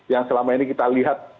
yang selama ini kita lihat